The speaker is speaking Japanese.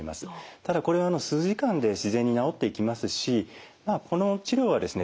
ただこれは数時間で自然に治っていきますしこの治療はですね